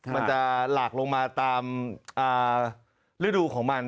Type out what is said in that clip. มันจะหลากลงมาตามฤดูของมัน